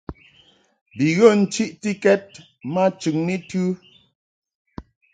Bi ghə nchiʼtikɛd ma chɨŋni tɨ.